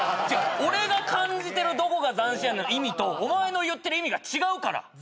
俺が感じてる「どこが斬新やねん」の意味とお前の言ってる意味が違うから。